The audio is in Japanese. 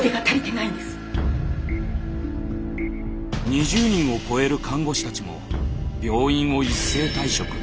２０人を超える看護師たちも病院を一斉退職。